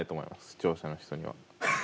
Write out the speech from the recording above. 視聴者の人には。